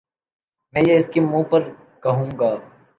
میں یہ اسکے منہ پر کہوں گا